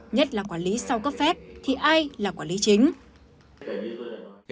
nhất là quản lý sau cấp phép thì ai là quản lý chính